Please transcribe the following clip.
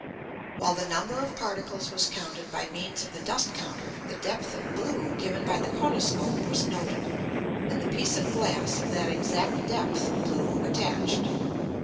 While the number of particles was counted by means of the dust counter, the depth of blue given by the koniscope was noted; and the piece of glass of that exact depth of blue attached.